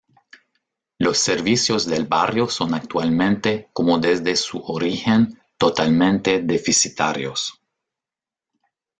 Los servicios del barrio son actualmente, como desde su origen, totalmente deficitarios.